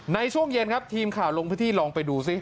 ในช่วงเย็นครับทีมข่าวลงพื้นที่ลองไปดูซิ